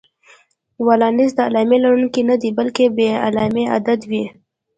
ولانس د علامې لرونکی نه دی، بلکې بې علامې عدد وي.